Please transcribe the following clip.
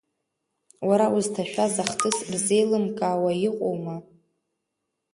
Уара узҭашәаз ахҭыс рзеилымкаауа иҟоума?